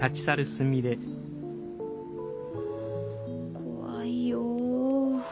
怖いよお。